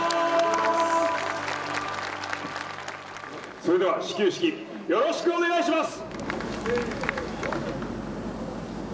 それでは始球式よろしくお願いします！